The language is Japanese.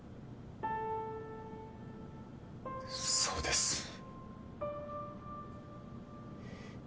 そうです。